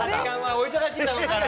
お忙しいだろうから。